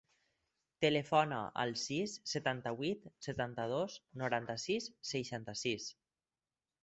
Telefona al sis, setanta-vuit, setanta-dos, noranta-sis, seixanta-sis.